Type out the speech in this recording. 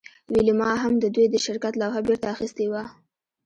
ویلما هم د دوی د شرکت لوحه بیرته اخیستې وه